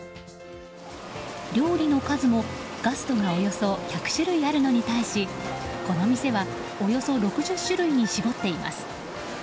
料理の数もガストがおよそ１００種類あるのに対しこの店はおよそ６０種類に絞っています。